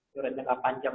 durian jangka panjang